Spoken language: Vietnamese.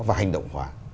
và hành động hóa